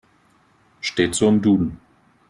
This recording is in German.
Steht so im Duden.